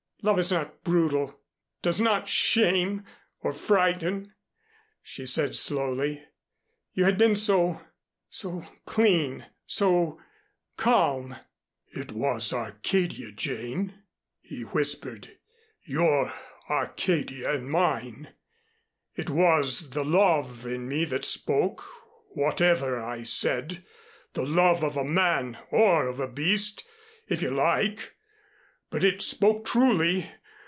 "Love is not brutal does not shame nor frighten," she said slowly. "You had been so so clean so calm " "It was Arcadia, Jane," he whispered, "your Arcadia and mine. It was the love in me that spoke, whatever I said the love of a man, or of a beast, if you like. But it spoke truly.